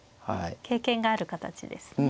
経験がある形ですね。